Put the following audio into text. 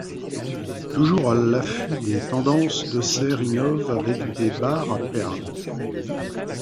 Toujours à l’affût des tendances, DeSerres innove avec des bars à perles.